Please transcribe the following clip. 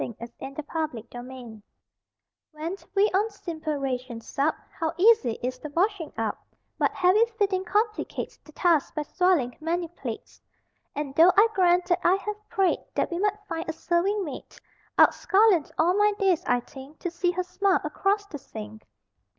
_ WASHING THE DISHES When we on simple rations sup How easy is the washing up! But heavy feeding complicates The task by soiling many plates. And though I grant that I have prayed That we might find a serving maid, I'd scullion all my days, I think, To see Her smile across the sink!